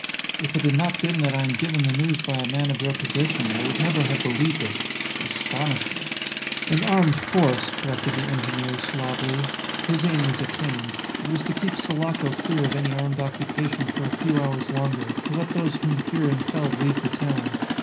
"If it had not been that I am given the news by a man of your position I would never have believed it. Astonishing!" "An armed force," corrected the engineer, suavely. His aim was attained. It was to keep Sulaco clear of any armed occupation for a few hours longer, to let those whom fear impelled leave the town.